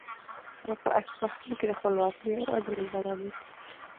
هغه په اصفهان کې د خپلواکۍ او عدل نظام رامنځته کړ.